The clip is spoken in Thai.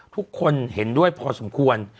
ทุกคนเห็นด้วยพอสมควร